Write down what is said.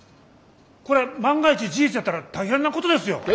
これ万が一事実やったら大変なことですよ？